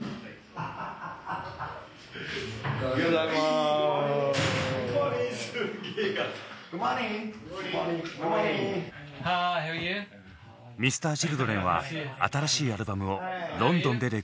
Ｍｒ．Ｃｈｉｌｄｒｅｎは新しいアルバムをロンドンでレコーディング。